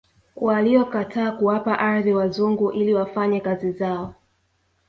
Waliokataa kuwapa ardhi wazungu ili wafanye kazi zao